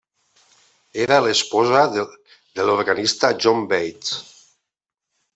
Era l'esposa de l'organista John Bates.